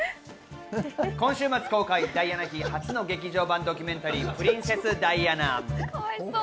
今週末公開ダイアナ妃初の劇場版ドキュメンタリー『プリンセス・ダイアナ』。